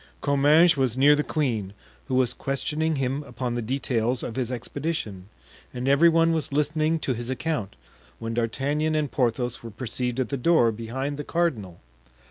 Comminges was near the queen, who was questioning him upon the details of his expedition, and every one was listening to his account, when D'Artagnan and Porthos were perceived at the door, behind the cardinal.